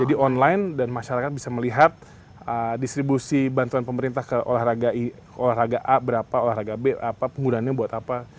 jadi online dan masyarakat bisa melihat distribusi bantuan pemerintah ke olahraga a berapa olahraga b apa penggunaannya buat apa